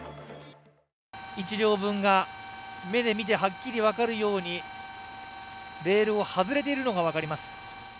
１両分が目で見てはっきり分かるようにレールを外れているのが分かります。